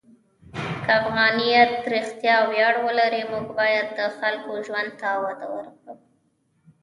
که افغانیت رښتیا ویاړ ولري، موږ باید د خلکو ژوند ته وده ورکړو.